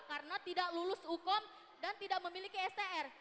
karena tidak lulus hukum dan tidak memiliki str